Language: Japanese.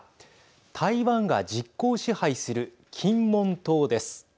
台湾が実効支配する金門島です。